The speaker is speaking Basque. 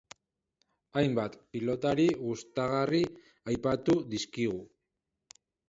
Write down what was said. Hainbat pilotari gustagarri aipatu dizkigu.